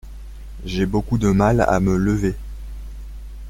J’ai beaucoup de mal à me lever.